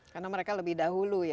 karena mereka lebih dahulu ya